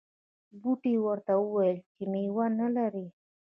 بوټي ورته وویل چې میوه نه لرې.